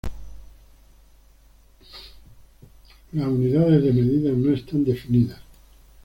Las unidades de medida no están definidas.